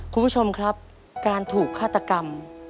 คุณผู้ชมครับการถูกฆาตกรรม